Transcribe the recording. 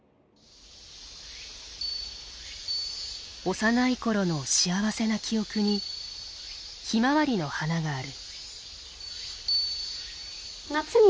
幼い頃の幸せな記憶にひまわりの花がある。